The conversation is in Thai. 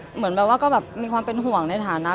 เหมือนก็มีความเป็นห่วงในฐานะ